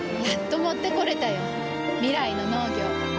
やっと持ってこれたよ。未来の農業。